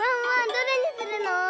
どれにするの？